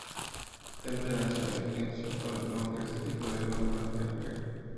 Temple nació en Kensington, Londres, el hijo de Landon Temple.